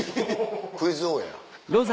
クイズ王や。